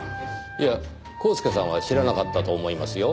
いやコースケさんは知らなかったと思いますよ。